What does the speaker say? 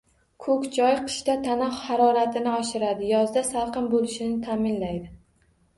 Ko‘k choy qishda tana haroratini oshiradi, yozda salqin bo‘lishini ta’minlaydi.